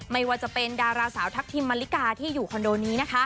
ไม่ว่าจะเป็นดาราสาวทัพทิมมะลิกาที่อยู่คอนโดนี้นะคะ